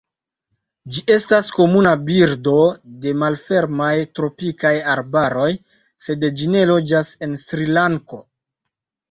Ĝi estas komuna birdo de malfermaj tropikaj arbaroj, sed ĝi ne loĝas en Srilanko.